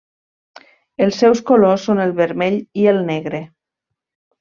Els seus colors són el vermell i el negre.